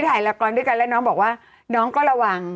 ถ่ายละครด้วยกันแล้วน้องบอกว่าน้องก็ระวัง